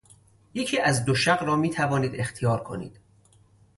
یکی از دو شق را میتوانید اختیار کنید.